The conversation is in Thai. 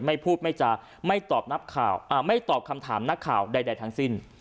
ไม่พูดไม่จาไม่ตอบคำถามนักข่าวใดทั้งสิ้น